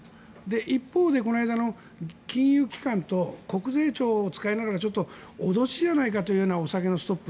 一方でこの間の金融機関と国税庁を使いながら脅しじゃないかというようなお酒のストップ。